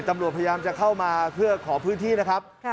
ตำรวจพยายามจะเข้ามากระป่าวที่ขอพื้นที่ครับ